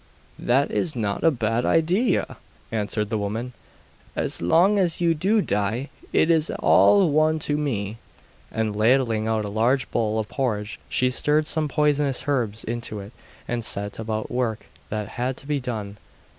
'That is not a bad idea,' answered the woman; 'as long as you do die, it is all one to me.' And ladling out a large bowl of porridge, she stirred some poisonous herbs into it, and set about work that had to be done.